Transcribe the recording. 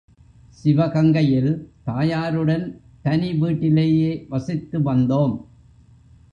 சிவகங்கையில் தாயாருடன் தனி வீட்டிலேயே வசித்து வந்தோம்.